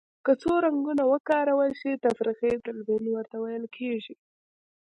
که څو رنګونه وکارول شي تفریقي تلوین ورته ویل کیږي.